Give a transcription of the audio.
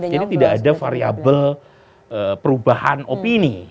jadi tidak ada variable perubahan opini